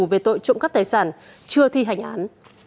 về tội trộm cắp tài sản chưa thi hành án